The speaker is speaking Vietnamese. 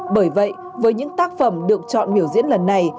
bởi vậy với những tác phẩm được chọn biểu diễn lần này